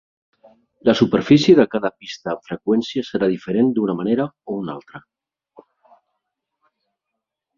La superfície de cada pista amb freqüència serà diferent d'una manera o una altra.